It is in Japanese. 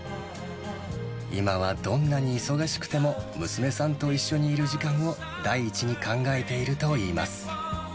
今はどんなに忙しくても、娘さんと一緒にいる時間を第一に考えているといいます。